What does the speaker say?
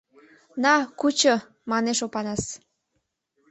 — На, кучо! — манеш Опанас.